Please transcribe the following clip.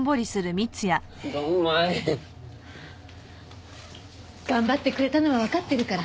ドンマイ！頑張ってくれたのはわかってるから。